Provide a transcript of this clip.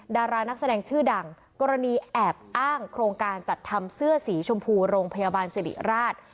ดารานักแสดงชื่อดังกรณีแอบอ้างโครงการจัดทำเสื้อสีชมพูโรงพยาบาลสิริราช